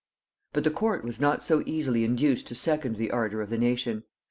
But the court was not so easily induced to second the ardor of the nation.